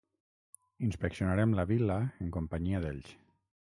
Inspeccionarem la vil·la en companyia d'ells.